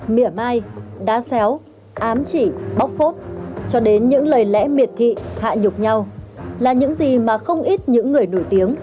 mỉa mai đá xéo ám chỉ bóc phốt cho đến những lời lẽ miệt thị hạ nhục nhau là những gì mà không ít những người nổi tiếng